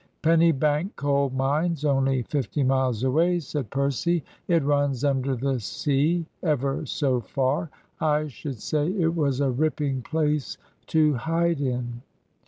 "Penny bank coal mine's only fifty miles away," said Percy. "It runs under the sea ever so far. I should say it was a ripping place to hide in."